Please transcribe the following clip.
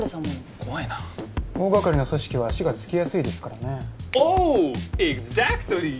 怖いな大がかりな組織は足がつきやすいですからねおおイグザクトリー